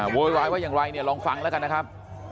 โวยวายว่าอย่างไรเนี่ยลองฟังแล้วกันนะครับ